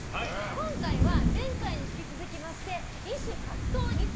今回は前回に引き続きまして異種格闘技戦。